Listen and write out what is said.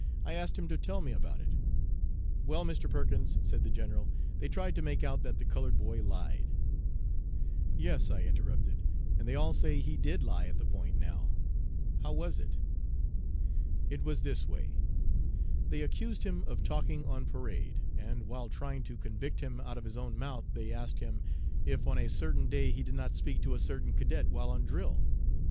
I asked him to tell me about it. "'Well, Mr. Perkins,' said the General, 'they tried to make out that the colored boy lied.' "'Yes,' I interrupted, 'and they all say he did lie at the Point now. How was it?' "'It was this way: They accused him of talking on parade, and, while trying to convict him out of his own mouth, they asked him "If on a certain day he did not speak to a certain cadet while on drill?"